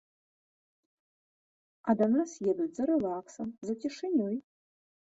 А да нас едуць за рэлаксам, за цішынёй.